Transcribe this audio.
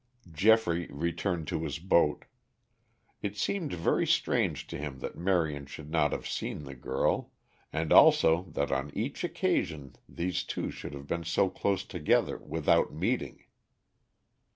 Geoffrey returned to his boat. It seemed very strange to him that Marion should not have seen the girl, and also that on each occasion these two should have been so close together without meeting.